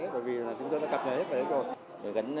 bởi vì chúng tôi đã cập nhật hết